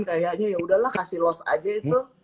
kayaknya yaudahlah kasih loss aja itu